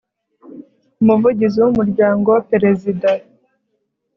umuvugizi w umuryango perezida